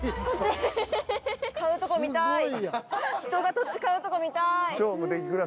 買うとこ見たい。